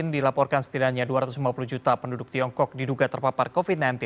dilaporkan setidaknya dua ratus lima puluh juta penduduk tiongkok diduga terpapar covid sembilan belas